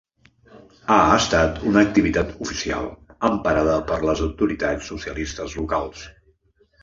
Ha estat una activitat oficial, emparada per les autoritats socialistes locals.